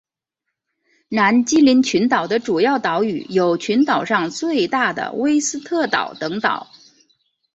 南基林群岛的主要岛屿有群岛上最大的威斯特岛等岛。